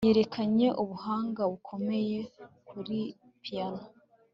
Yerekanye ubuhanga bukomeye kuri piyano